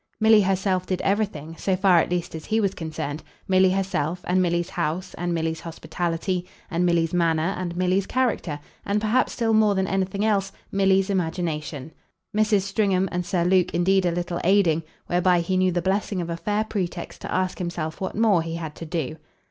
Milly herself did everything so far at least as he was concerned Milly herself, and Milly's house, and Milly's hospitality, and Milly's manner, and Milly's character, and, perhaps still more than anything else, Milly's imagination, Mrs. Stringham and Sir Luke indeed a little aiding: whereby he knew the blessing of a fair pretext to ask himself what more he had to do.